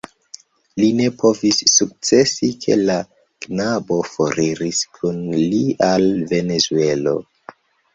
Li ne povis sukcesi, ke la knabo foriris kun li al Venezuelo.